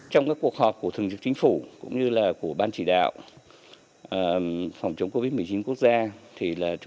trong cuộc họp của thường trực chính phủ cũng như là của ban chỉ đạo phòng chống covid một mươi chín quốc gia